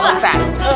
pokoknya ya pak d